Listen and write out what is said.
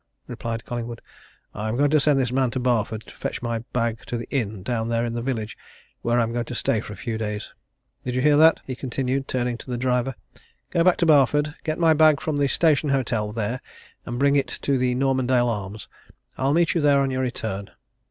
replied Collingwood. "I'm going to send this man to Barford to fetch my bag to the inn down there in the village, where I'm going to stay for a few days. Did you hear that?" he continued, turning to the driver. "Go back to Barford get my bag from the Station Hotel there bring it to the Normandale Arms I'll meet you there on your return."